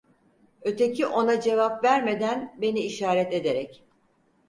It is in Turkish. Öteki ona cevap vermeden beni işaret ederek.